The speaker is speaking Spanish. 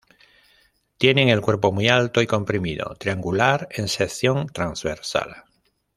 Tienen el cuerpo muy alto y comprimido, triangular en sección transversal.